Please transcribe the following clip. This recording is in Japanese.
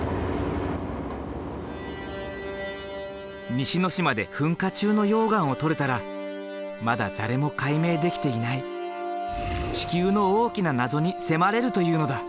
西之島で噴火中の溶岩を採れたらまだ誰も解明できていない地球の大きな謎に迫れるというのだ。